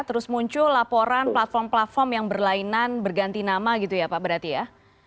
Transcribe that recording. terus muncul laporan platform platform yang berlainan berganti nama gitu ya pak berarti ya